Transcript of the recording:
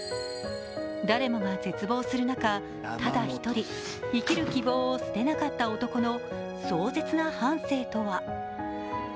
誰もが絶望する中、ただ一人、生きる希望を捨てなかった男の壮絶な半生とは。